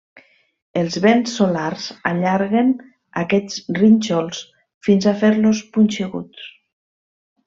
Els vents solars allarguen aquests rínxols fins a fer-los punxeguts.